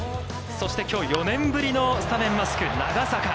そしてきょう４年ぶりのスタメンマスク、長坂。